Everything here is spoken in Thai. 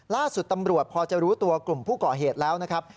ล่าสุดตำรวจพอจะรู้ตัวกลุ่มผู้ก่อเหตุแล้วนะครับ